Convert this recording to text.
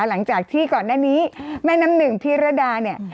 หลังจากที่ก่อนหน้านี้แม่น้ำหนึ่งพิรดาเนี่ย